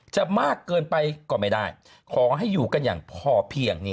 มากเกินไปก็ไม่ได้ขอให้อยู่กันอย่างพอเพียง